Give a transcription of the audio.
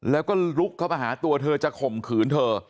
แล้วก็ลุกเข้ามาหาตัวเธอจะข่มขืนเธอ